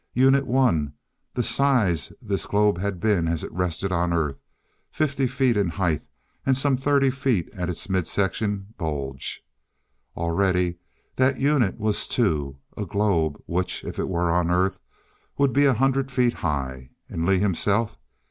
Unit One, the size this globe had been as it rested on Earth, fifty feet in height, and some thirty feet at its mid section bulge. Already that unit was two, a globe which, if it were on Earth, would be a hundred feet high. And Lee himself?